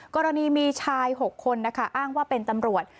กรณีมีชาย๖คนนะคะอ้างว่าเป็นตำรวจ